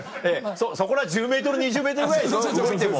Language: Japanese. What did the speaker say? そこら１０ｍ２０ｍぐらいでしょ動いても。